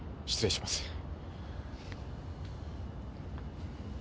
失礼します。